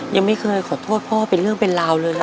ยังไม่เคยขอโทษพ่อเป็นเรื่องเป็นราวเลย